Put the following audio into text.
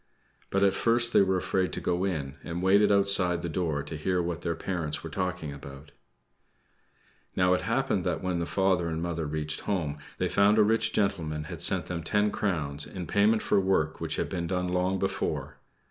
But at first they were afraid to go in, and waited outside the door to hear what their parents were talking about. Now, it happened that when the father and mother reached home, they found a rich gentleman had sent them ten crowns, in payment for work which had been done long before.